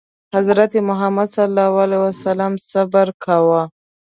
حضرت محمد ﷺ صبر کاوه.